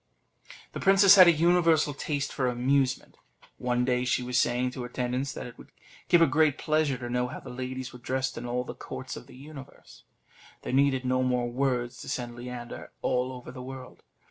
The princess had a universal taste for amusement. One day, she was saying to her attendants that it would give her great pleasure to know how the ladies were dressed in all the courts of the universe. There needed no more words to send Leander all over the world.